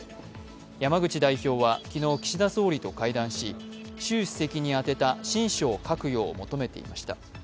山口代表は昨日、岸田総理と会談し習主席にあてた親書を書くよう求めていました。